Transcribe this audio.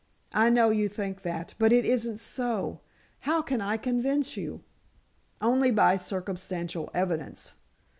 "I know you think that—but it isn't so. How can I convince you?" "Only by circumstantial evidence.